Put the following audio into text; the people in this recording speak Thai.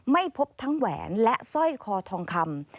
ไม่พบทั้งแหวนและสร้อยคอทองคำ